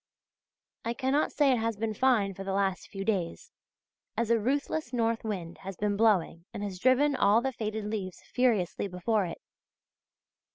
I cannot say it has been fine for the last few days, as a ruthless north wind has been blowing and has driven all the faded leaves furiously before it.